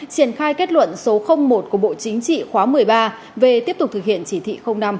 triển khai kết luận số một của bộ chính trị khóa một mươi ba về tiếp tục thực hiện chỉ thị năm